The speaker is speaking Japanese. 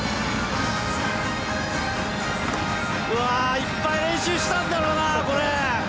いっぱい練習したんだろうな、これ！